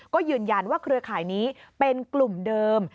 ก็ยืนยันว่าเครือข่ายนี้เป็นกลุ่มเดิม